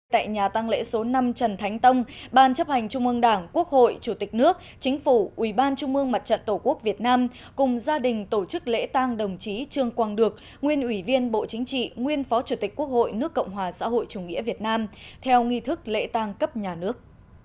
tại nhà tăng lễ số năm trần thánh tông ban chấp hành trung ương đảng quốc hội chủ tịch nước chính phủ ubnd tổ quốc việt nam cùng gia đình tổ chức lễ tang đồng chí trương quang được nguyên ủy viên bộ chính trị nguyên phó chủ tịch quốc hội nước cộng hòa xã hội chủ nghĩa việt nam theo nghi thức lễ tang cấp nhà nước